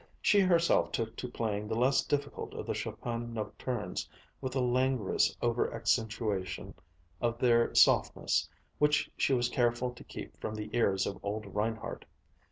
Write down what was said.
She herself took to playing the less difficult of the Chopin nocturnes with a languorous over accentuation of their softness which she was careful to keep from the ears of old Reinhardt.